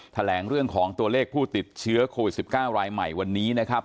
แถลงเรื่องของตัวเลขผู้ติดเชื้อโควิด๑๙รายใหม่วันนี้นะครับ